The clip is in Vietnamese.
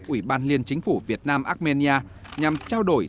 ủy ban liên chính phủ việt nam armenia nhằm trao đổi